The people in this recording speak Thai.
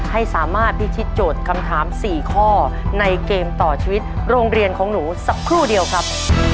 ให้สามารถพิชิตโจทย์คำถาม๔ข้อในเกมต่อชีวิตโรงเรียนของหนูสักครู่เดียวครับ